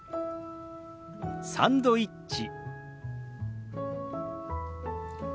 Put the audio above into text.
「サンドイッチ」。